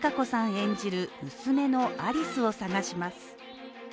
演じる娘のアリスを探します。